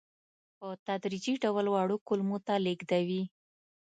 په تدریجي ډول وړو کولمو ته لېږدوي.